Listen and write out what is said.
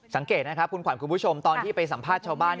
สังเกตนะครับคุณขวัญคุณผู้ชมตอนที่ไปสัมภาษณ์ชาวบ้าน